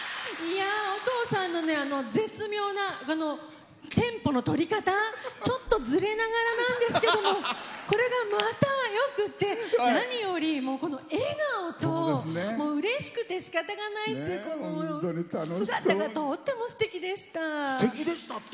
お父さんの絶妙なテンポのとり方ちょっとズレながらなんですけどもこれが、またよくって何より笑顔とうれしくてしかたがないって姿がとてもすてきでした。